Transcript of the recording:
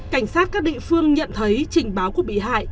cảnh sát các địa phương nhận thấy trình báo của bị hại